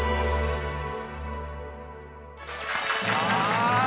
はい。